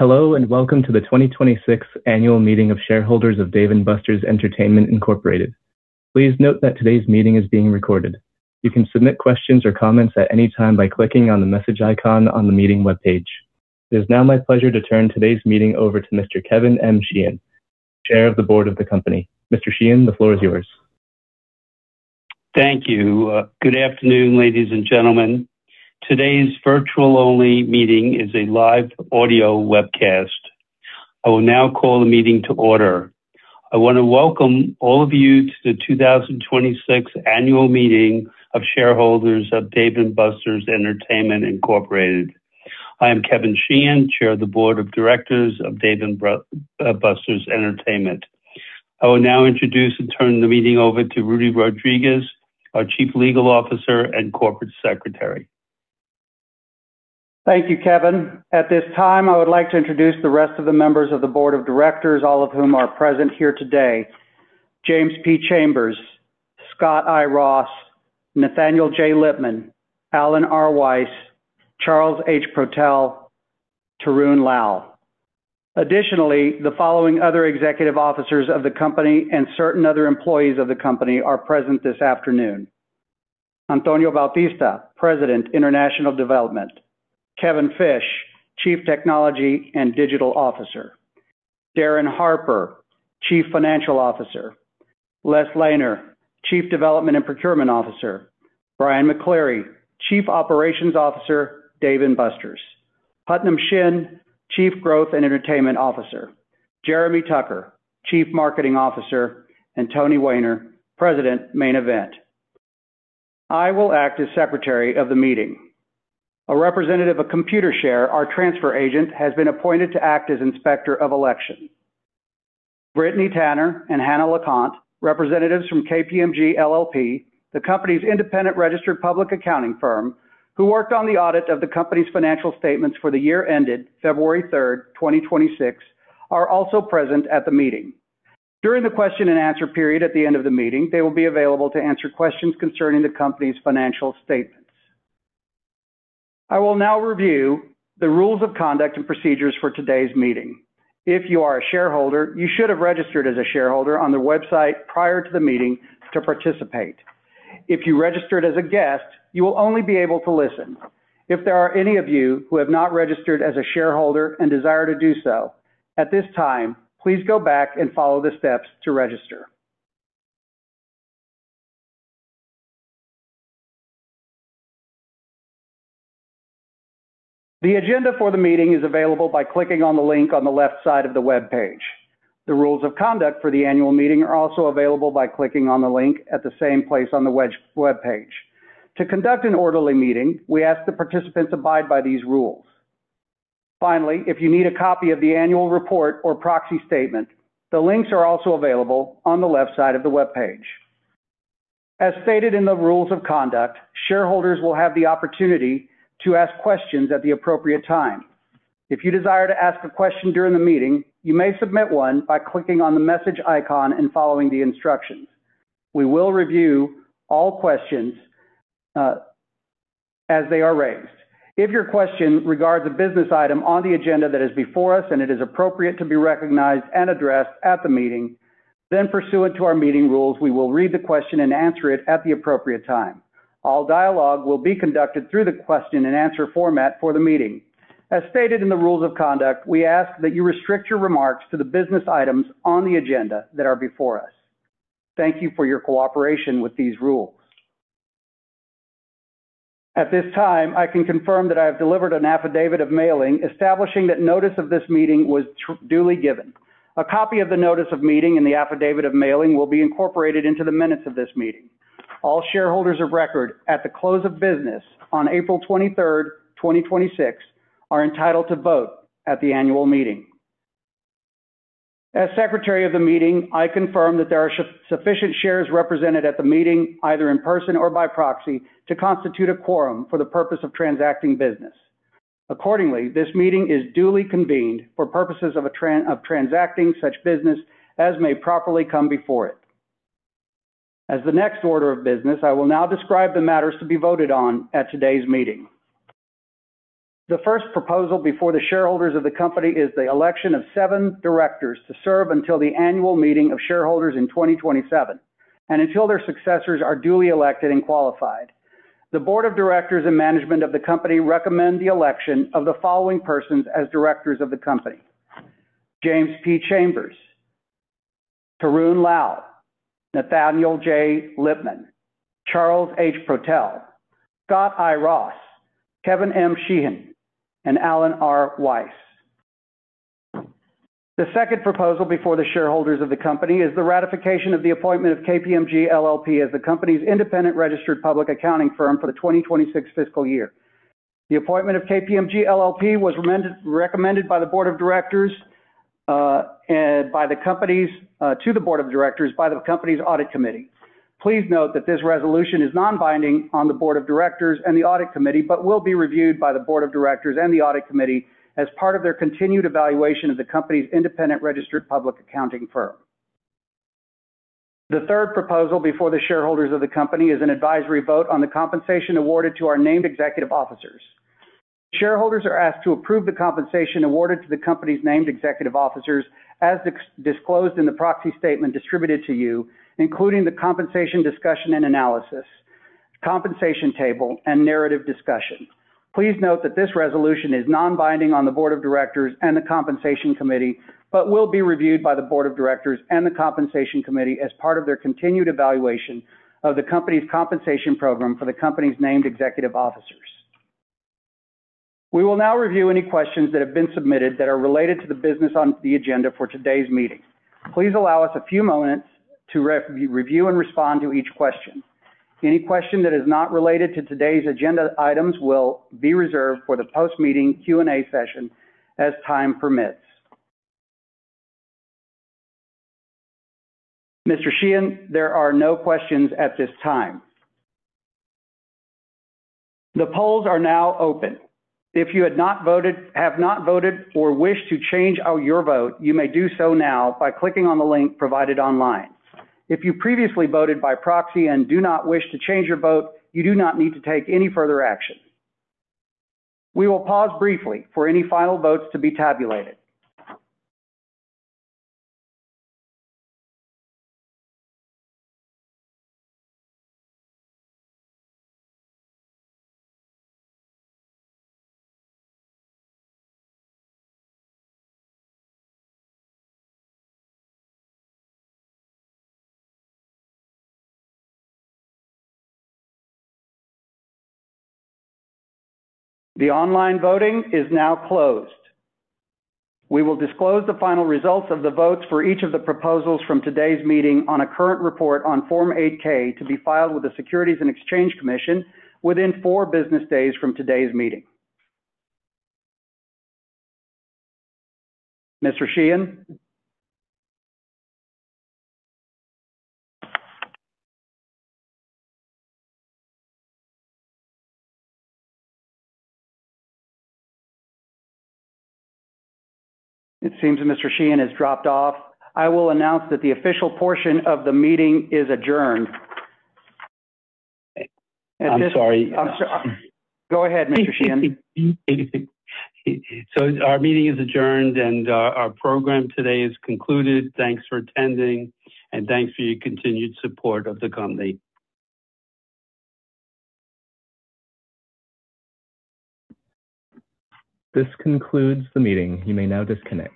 Hello, welcome to the 2026 Annual Meeting of Shareholders of Dave & Buster's Entertainment, Inc.. Please note that today's meeting is being recorded. You can submit questions or comments at any time by clicking on the message icon on the meeting webpage. It is now my pleasure to turn today's meeting over to Mr. Kevin M. Sheehan, Chair of the Board of the company. Mr. Sheehan, the floor is yours. Thank you. Good afternoon, ladies and gentlemen. Today's virtual-only meeting is a live audio webcast. I will now call the meeting to order. I want to welcome all of you to the 2026 Annual Meeting of Shareholders of Dave & Buster's Entertainment Incorporated. I am Kevin Sheehan, Chair of the Board of Directors of Dave & Buster's Entertainment. I will now introduce and turn the meeting over to Rudy Rodríguez, our Chief Legal Officer and Corporate Secretary. Thank you, Kevin. At this time, I would like to introduce the rest of the members of the board of directors, all of whom are present here today. James P. Chambers, Scott I. Ross, Nathaniel J. Lipman, Allen R. Weiss, Charles H. Protell, Tarun Lal. Additionally, the following other executive officers of the company and certain other employees of the company are present this afternoon. Antonio Bautista, President, International Development. Kevin Fish, Chief Technology and Digital Officer. Darin Harper, Chief Financial Officer. Les Lehner, Chief Development and Procurement Officer. Brian McCleary, Chief Operations Officer, Dave & Buster's. Putnam Shin, Chief Growth and Entertainment Officer. Jeremy Tucker, Chief Marketing Officer, and Tony Wehner, President, Main Event. I will act as Secretary of the meeting. A representative of Computershare, our transfer agent, has been appointed to act as inspector of election. Brittney Tanner and Hannah LeConte, representatives from KPMG LLP, the company's independent registered public accounting firm, who worked on the audit of the company's financial statements for the year ended February 3rd, 2026, are also present at the meeting. During the question and answer period at the end of the meeting, they will be available to answer questions concerning the Company's Financial Statements. I will now review the Rules of Conduct and procedures for today's meeting. If you are a shareholder, you should have registered as a shareholder on the website prior to the meeting to participate. If you registered as a guest, you will only be able to listen. If there are any of you who have not registered as a shareholder and desire to do so at this time, please go back and follow the steps to register. The agenda for the meeting is available by clicking on the link on the left side of the webpage. The Rules of Conduct for the annual meeting are also available by clicking on the link at the same place on the webpage. To conduct an orderly meeting, we ask the participants abide by these rules. If you need a copy of the Annual Report or Proxy Statement, the links are also available on the left side of the webpage. As stated in the rules of conduct, shareholders will have the opportunity to ask questions at the appropriate time. If you desire to ask a question during the meeting, you may submit one by clicking on the message icon and following the instructions. We will review all questions as they are raised. If your question regards a business item on the agenda that is before us and it is appropriate to be recognized and addressed at the meeting, pursuant to our meeting rules, we will read the question and answer it at the appropriate time. All dialogue will be conducted through the question and answer format for the meeting. As stated in the rules of conduct, we ask that you restrict your remarks to the business items on the agenda that are before us. Thank you for your cooperation with these rules. At this time, I can confirm that I have delivered an Affidavit of Mailing establishing that notice of this meeting was duly given. A copy of the Notice of Meeting and the Affidavit of Mailing will be incorporated into the minutes of this meeting. All shareholders of record at the close of business on April 23rd, 2026, are entitled to vote at the Annual Meeting. As Secretary of the meeting, I confirm that there are sufficient shares represented at the meeting, either in person or by proxy, to constitute a quorum for the purpose of transacting business. Accordingly, this meeting is duly convened for purposes of transacting such business as may properly come before it. As the next order of business, I will now describe the matters to be voted on at today's meeting. The first proposal before the shareholders of the company is the election of seven directors to serve until the Annual Meeting of Shareholders in 2027 and until their successors are duly elected and qualified. The Board of Directors and Management of the company recommend the election of the following persons as directors of the company: James P. Chambers, Tarun Lal, Nathaniel J. Lipman, Charles H. Protell, Scott I. Ross, Kevin M. Sheehan, and Allen R. Weiss. The second proposal before the shareholders of the company is the ratification of the appointment of KPMG LLP as the company's independent registered public accounting firm for the 2026 fiscal year. The appointment of KPMG LLP was recommended to the Board of Directors by the company's Audit Committee. Please note that this resolution is non-binding on the Board of Directors and the Audit Committee, will be reviewed by the Board of Directors and the Audit Committee as part of their continued evaluation of the company's independent registered public accounting firm. The third proposal before the shareholders of the company is an advisory vote on the compensation awarded to our named executive officers. Shareholders are asked to approve the compensation awarded to the company's named executive officers as disclosed in the proxy statement distributed to you, including the compensation discussion and analysis, compensation table, and narrative discussion. Please note that this resolution is non-binding on the Board of Directors and the Compensation Committee, but will be reviewed by the Board of Directors and the Compensation Committee as part of their continued evaluation of the company's compensation program for the company's named executive officers. We will now review any questions that have been submitted that are related to the business on the agenda for today's meeting. Please allow us a few moments to review and respond to each question. Any question that is not related to today's agenda items will be reserved for the post-meeting Q&A session as time permits. Mr. Sheehan, there are no questions at this time. The polls are now open. If you have not voted or wish to change out your vote, you may do so now by clicking on the link provided online. If you previously voted by proxy and do not wish to change your vote, you do not need to take any further action. We will pause briefly for any final votes to be tabulated. The online voting is now closed. We will disclose the final results of the votes for each of the proposals from today's meeting on a current report on Form 8-K to be filed with the Securities and Exchange Commission within four business days from today's meeting. Mr. Sheehan? It seems that Mr. Sheehan has dropped off. I will announce that the official portion of the meeting is adjourned. I'm sorry. Go ahead, Mr. Sheehan. Our meeting is adjourned, and our program today is concluded. Thanks for attending, and thanks for your continued support of the company. This concludes the meeting. You may now disconnect.